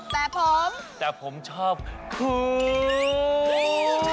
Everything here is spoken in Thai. แต่ผมแต่ผมชอบคุณ